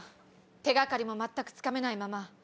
手掛かりも全くつかめないまま。